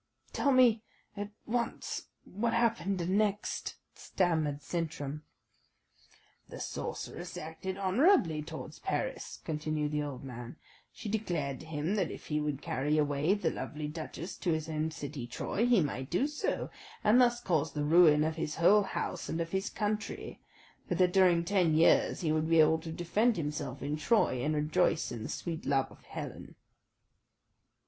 "Tell me at once what happened next," stammered Sintram. "The sorceress acted honourably towards Paris," continued the old man. "She declared to him that if he would carry away the lovely duchess to his own city Troy, he might do so, and thus cause the ruin of his whole house and of his country; but that during ten years he would be able to defend himself in Troy, and rejoice in the sweet love of Helen."